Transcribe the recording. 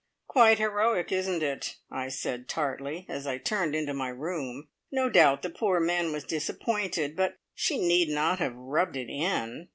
"Quite heroic, isn't it?" I said tartly, as I turned into my room. No doubt the poor man was disappointed, but she need not have rubbed it in!